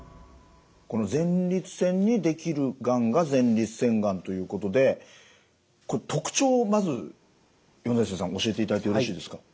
この前立腺に出来るがんが前立腺がんということでこれ特徴をまず米瀬さん教えていただいてよろしいですか？